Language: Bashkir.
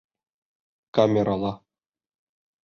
Камерала.